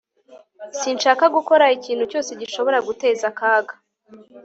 Sinshaka gukora ikintu cyose gishobora guteza akaga